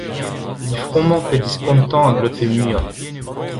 Difrommañ pe dispontañ a glotfe muioc'h